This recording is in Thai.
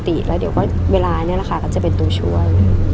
เดี๋ยวละคะเดี๋ยวเวลาก็จะเป็นตัวช่วย